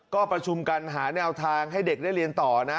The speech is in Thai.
ก็ประชุมกันหาแนวทางให้เด็กได้เรียนต่อนะ